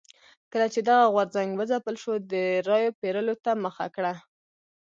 کله چې دغه غورځنګ وځپل شو د رایو پېرلو ته مخه کړه.